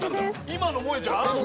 今のもえちゃん？